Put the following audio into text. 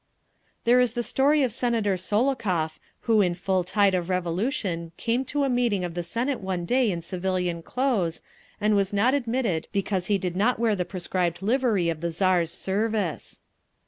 There is the story of Senator Sokolov, who in full tide of Revolution came to a meeting of the Senate one day in civilian clothes, and was not admitted because he did not wear the prescribed livery of the Tsar's service!